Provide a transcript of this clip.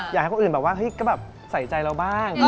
อยากให้คนอื่นแบบว่าเฮ้ยก็แบบใส่ใจเราบ้าง